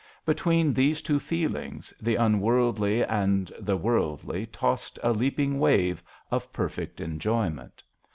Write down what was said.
Between these two feelings the unworldly and the worldly tossed a leaping wave of perfect enjoyment.